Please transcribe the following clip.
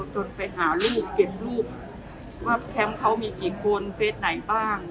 จนไปหาลูกเก็บรูปว่าแคมป์เขามีกี่คนเฟสไหนบ้าง